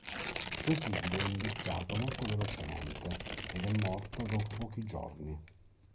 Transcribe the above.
Suo figlio è invecchiato molto velocemente ed è morto dopo pochi giorni.